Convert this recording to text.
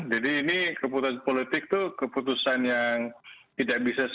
jadi ini keputusan politik itu keputusan yang tidak bisa saya catat